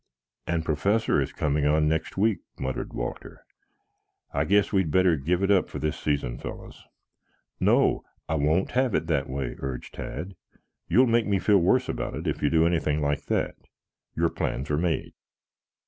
"And Professor is coming on next week," muttered Walter. "I guess we had better give it up for this season, fellows." "No. I won't have it that way," urged Tad. "You'll make me feel worse about it if you do anything like that. Your plans are made."